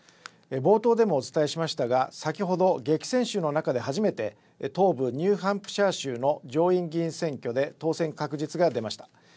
冒頭でもお伝えしましたが先ほど激戦州の中で初めて、東部ニューハンプシャー州の上院議員選挙で当選確実が出ました。